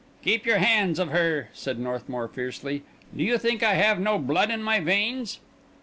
"Keep your hands off her," said Northmour fiercely. "Do you think I have no blood in my veins?"